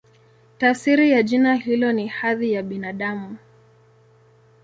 Tafsiri ya jina hilo ni "Hadhi ya Binadamu".